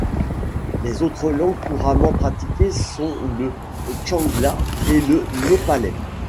Les autres langues couramment pratiquées sont le tshangla et le népalais.